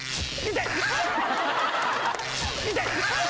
痛い。